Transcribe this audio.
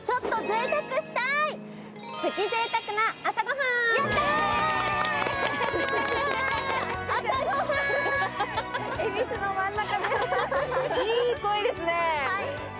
いい声ですねはい！